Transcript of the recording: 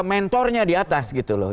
mentornya di atas gitu loh